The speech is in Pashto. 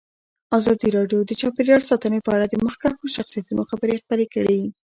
ازادي راډیو د چاپیریال ساتنه په اړه د مخکښو شخصیتونو خبرې خپرې کړي.